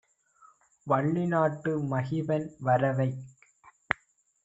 வள்ளி நாட்டு மகிபன் வரவைக்